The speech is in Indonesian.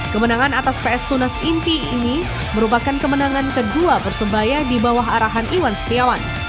kemenangan atas ps tunas inti ini merupakan kemenangan kedua persebaya di bawah arahan iwan setiawan